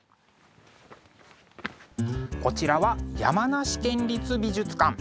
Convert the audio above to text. こちらは山梨県立美術館。